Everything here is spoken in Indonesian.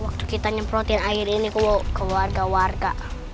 itu kitanya protein air ini aku bawa ke warga warga